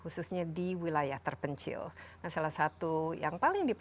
jalan jalan tol